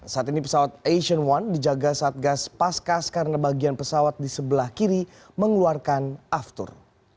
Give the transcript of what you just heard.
saat ini pesawat asian one dijaga satgas paskas karena bagian pesawat di sebelah kiri mengeluarkan aftur